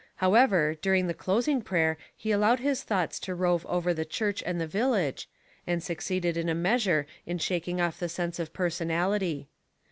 However, during the closing prayer he allowed his thoughts to rove over the church and the village, and succeeded in a measure in shaking off the sense of personality.